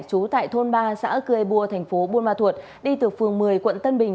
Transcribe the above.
chú tại thôn ba xã cư ê bua thành phố buôn ma thuột đi từ phường một mươi quận tân bình